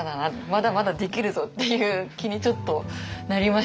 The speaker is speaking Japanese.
まだまだできるぞ！っていう気にちょっとなりましたね。